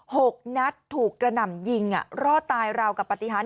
หกนัดถูกกระหน่ำยิงอ่ะรอดตายราวกับปฏิหาร